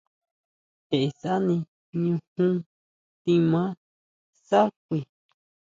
Je sani ñujún timaa sá kui.